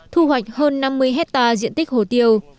thu hoạch hơn năm mươi hectare diện tích hồ tiêu